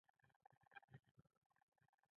غریب له هرې سترګې د رحم تمه لري